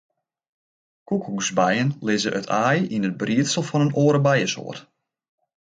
Koekoeksbijen lizze it aai yn it briedsel fan in oare bijesoart.